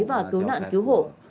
và cứu nạn cứu hộ